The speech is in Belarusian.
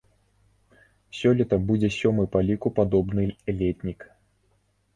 Сёлета будзе сёмы па ліку падобны летнік.